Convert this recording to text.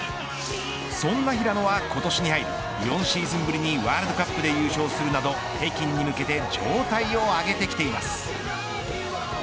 そんな平野は今年に入り４シーズンぶりにワールドカップで優勝するなど北京に向けて状態を上げてきています。